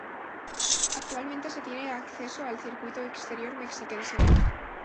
Actualmente se tiene acceso al circuito exterior mexiquense.